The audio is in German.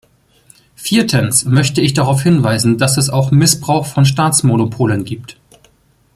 Viertens möchte ich darauf hinweisen, dass es auch Missbrauch von Staatsmonopolen gibt.